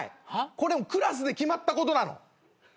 これクラスで決まったことなの。